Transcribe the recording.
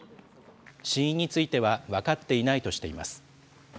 死因については分かっていないとしています。